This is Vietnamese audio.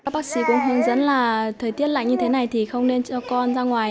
bác sĩ cũng hướng dẫn là thời tiết lạnh như thế này thì không nên cho con ra ngoài